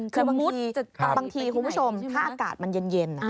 คือบางทีคุณผู้ชมถ้าอากาศมันเย็น